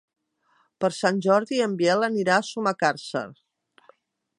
Per Sant Jordi en Biel anirà a Sumacàrcer.